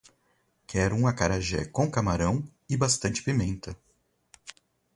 Quero um acarajé com camarão e bastante pimenta